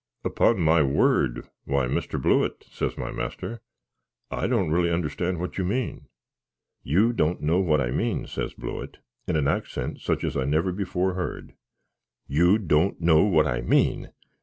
"Upon my word why Mr. Blewitt," says my master, "I don't really understand what you mean." "You don't know what I mean!" says Blewitt, in an axent such as I never before heard. "You don't know what I mean!